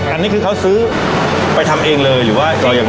อันนี้คือเขาซื้อไปทำเองเลยหรือว่าเรายัง